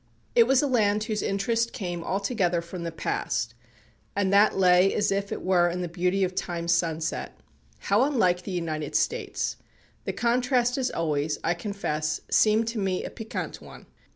It was a land whose interest came altogether from the past, and that lay as it were in the beauty of time's sunset. How unlike the United States! The contrast has always, I confess, seemed to me a piquant one.